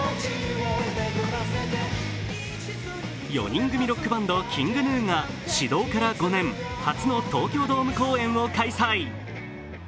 ４人組ロックバンド・ＫｉｎｇＧｎｕが始動から５年、初の東京ドーム公演を開催。